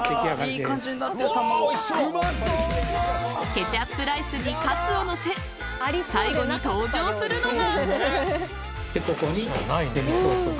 ケチャップライスにかつを乗せ最後に登場するのが。